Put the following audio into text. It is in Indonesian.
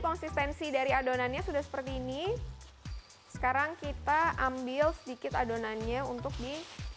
konsistensi dari adonannya sudah seperti ini sekarang kita ambil sedikit adonannya untuk di